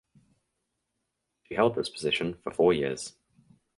She held this position for four years.